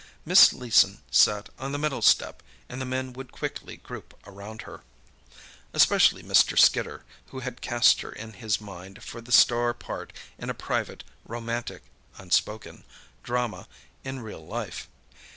Miss Leeson sat on the middle step and the men would quickly group around her. Especially Mr. Skidder, who had cast her in his mind for the star part in a private, romantic (unspoken) drama in real life.